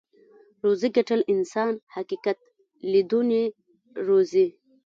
روزي ګټل انسان حقيقت ليدونی روزي.